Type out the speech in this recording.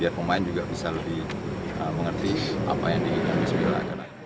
biar pemain juga bisa lebih mengerti apa yang diinginkan luis mila